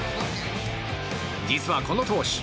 実はこの投手